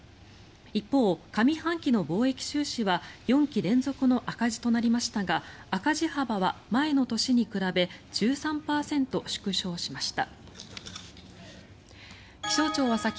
一方、上半期の貿易収支は４期連続の赤字となりましたが赤字幅は前の年に比べ１３％縮小しました。